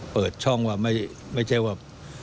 เปิดช่องว่าไม่ใช่ว่า